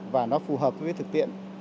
và nó phù hợp với thực tiện